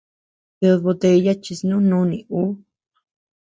!Ted botella chi snú nuni ú!